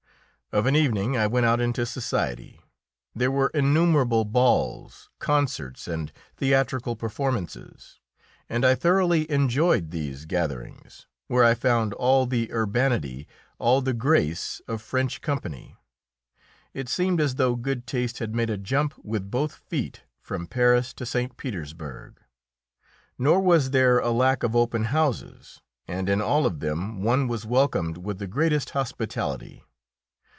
Of an evening I went out into society. There were innumerable balls, concerts and theatrical performances, and I thoroughly enjoyed these gatherings, where I found all the urbanity, all the grace of French company. It seemed as though good taste had made a jump with both feet from Paris to St. Petersburg. Nor was there a lack of open houses, and in all of them one was welcomed with the greatest hospitality.